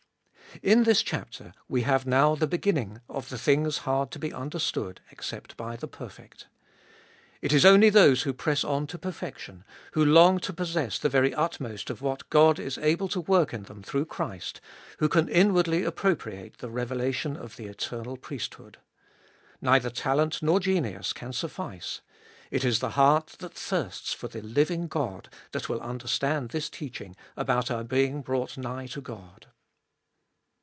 1. In this chapter we have now the beginning of the things hard to be understood except by the perfect. It is only those who press on to perfection, who long to possess the very utmost of what God is able to work in them through Christ, who can inwardly appropriate the revelation of the eternal priesthood. Neither talent nor genius can suffice — it is the heart that thirsts for the living God that will understand this teaching about our being brought nigh to God.